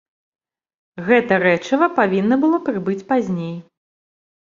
Гэта рэчыва павінна было прыбыць пазней.